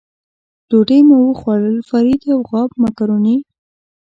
ډوډۍ مو وخوړل، فرید یو غاب مکروني.